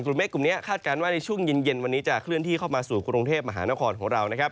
กลุ่มเมฆกลุ่มนี้คาดการณ์ว่าในช่วงเย็นวันนี้จะเคลื่อนที่เข้ามาสู่กรุงเทพมหานครของเรานะครับ